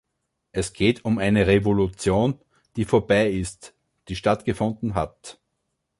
Es geht um eine Revolution, die vorbei ist, die stattgefunden hat.